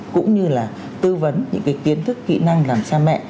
cũng như là tư vấn những cái kiến thức kỹ năng làm cha mẹ